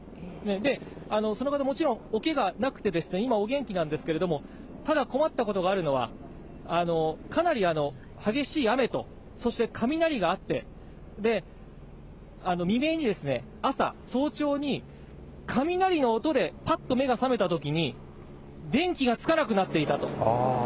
で、その方、もちろん、おけがはなくて、今、お元気なんですけれども、ただ困ったことがあるのは、かなり激しい雨と、そして雷があって、未明に、朝、早朝に、雷の音でぱっと目が覚めたときに、電気がつかなくなっていたと。